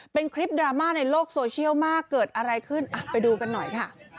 เป็นคลิปดราม่าในโลกโซเชียลมากเกิดอะไรขึ้นอ่ะไปดูกันหน่อยค่ะ